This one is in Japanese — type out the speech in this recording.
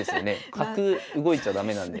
角動いちゃ駄目なんで。